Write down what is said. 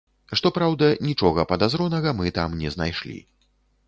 Што праўда, нічога падазронага мы там не знайшлі.